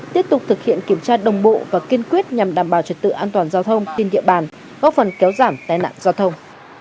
tiếp tục thực hiện kiểm tra đồng bộ và kiên quyết nhằm đảm bảo trật tự an toàn giao thông trên địa bàn góp phần kéo giảm tai nạn giao thông